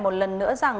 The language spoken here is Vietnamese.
một lần nữa rằng